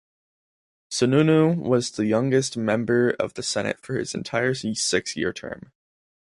Sununu was the youngest member of the Senate for his entire six-year term.